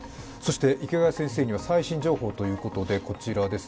池谷先生には最新情報ということでこちらですね。